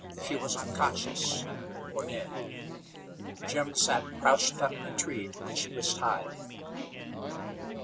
She was unconscious, or dead. Jim sat crouched under a tree to which he was tied.